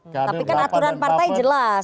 tapi kan aturan partai jelas